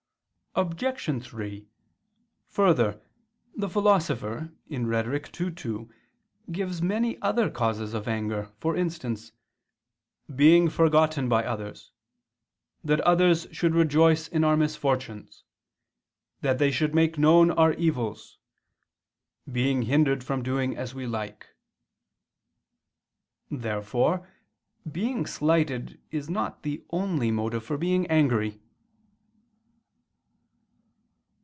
Obj. 3: Further, the Philosopher (Rhet. ii, 2) gives many other causes of anger, for instance, "being forgotten by others; that others should rejoice in our misfortunes; that they should make known our evils; being hindered from doing as we like." Therefore being slighted is not the only motive for being angry.